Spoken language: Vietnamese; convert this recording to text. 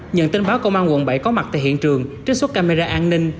nhận tin báo công an quận bảy có mặt tại hiện trường trích xuất camera an ninh